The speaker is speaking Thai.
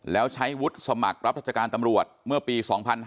แล้วใช้วุฒิสมัครรับราชการตำรวจเมื่อปี๒๕๕๙